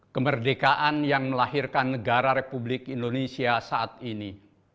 kemerdekaan yang melahirkan negara republik indonesia saat ini